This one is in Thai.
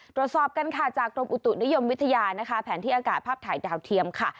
ตรวจสอบกันค่ะจากกรมอุตุนิยมวิทยานะคะแผนที่อากาศภาพถ่ายดาวเทียมค่ะ